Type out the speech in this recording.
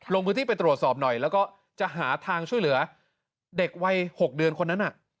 ลงพื้นที่ไปตรวจสอบหน่อยแล้วก็จะหาทางช่วยเหลือเด็กวัย๖เดือนคนนั้น